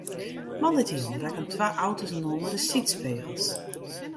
Moandeitejûn rekken twa auto's inoar mei de sydspegels.